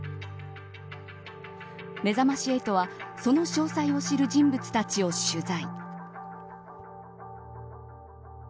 めざまし８はその詳細を知る人物たちを取材。